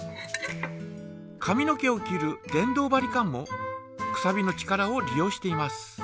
髪の毛を切る電動バリカンもくさびの力を利用しています。